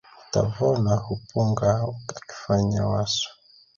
Utavona hupunga akifanya wasu.